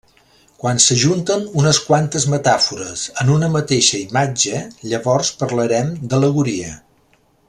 Quan s'ajunten unes quantes metàfores en una mateixa imatge, llavors parlarem d'al·legoria.